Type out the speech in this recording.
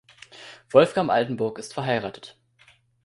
Wolfgang Altenburg ist verheiratet.